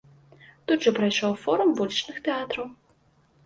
Тут жа прайшоў форум вулічных тэатраў.